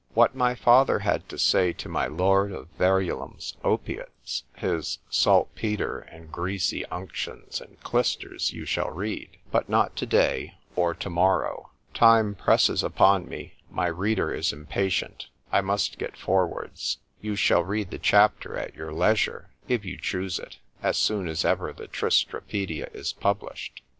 What my father had to say to my lord of Verulam's opiates, his salt petre, and greasy unctions and clysters, you shall read,—but not to day—or to morrow: time presses upon me,—my reader is impatient—I must get forwards——You shall read the chapter at your leisure (if you chuse it), as soon as ever the Tristra pædia is published.